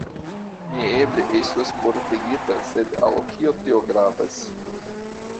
Mi eble estus mortigita, sed al kio tio gravas.